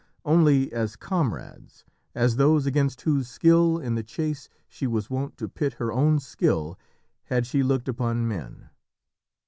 Only as comrades, as those against whose skill in the chase she was wont to pit her own skill, had she looked upon men.